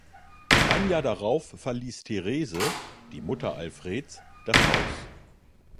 Ein Jahr darauf verließ Therese, die Mutter Alfreds, das Haus.